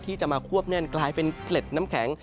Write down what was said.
ที่จะมาควบแน่นกลายเป็นเกล็ดน้ำแข็ง